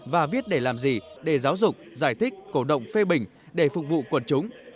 và viết để làm gì để giáo dục giải thích cổ động phê bình để phục vụ quần chúng